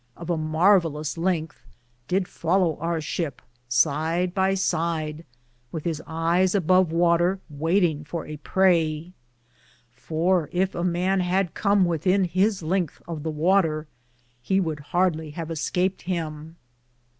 of a marvalus length, did follow our ship, sid by sid, with his eyes a bove water waytinge for a praye ; for if a man had come withe in his lengthe of the water, he would hardly have escaped him.